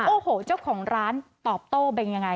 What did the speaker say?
โอ้โหเจ้าของร้านตอบโต้เป็นอย่างไร